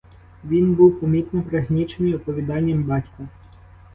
Він був, помітно, пригнічений оповіданням батька.